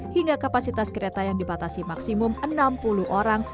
hingga kapasitas kereta yang dibatasi maksimum enam puluh orang